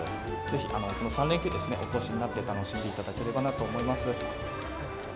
ぜひこの３連休、お越しになって楽しんでいただければなと思います。